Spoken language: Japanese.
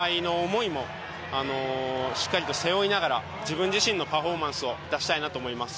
そういった先輩の思いもしっかりと背負いながら自分自身のパフォーマンスを出したいなと思います。